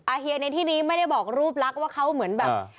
เฮียในที่นี้ไม่ได้บอกรูปลักษณ์ว่าเขาเหมือนแบบ